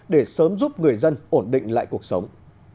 để sớm giúp người dân ổn định lại cuộc sống